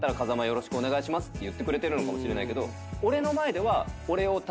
よろしくお願いしますって言ってくれてるかもしれないけど。